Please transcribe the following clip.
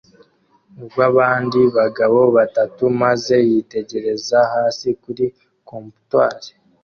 rwabandi bagabo batatu maze yitegereza hasi kuri comptoir